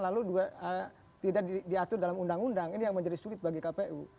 lalu tidak diatur dalam undang undang ini yang menjadi sulit bagi kpu